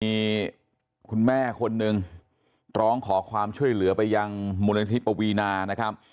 มีคุณแม่คนหนึ่งร้องขอความช่วยเหลือไปยังมูลนิธิปวีนานะครับ